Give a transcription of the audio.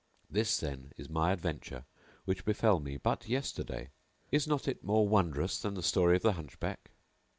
This, then, is my adventure which befell me but yesterday. Is not it more wondrous than the story of the Hunchback?